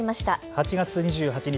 ８月２８日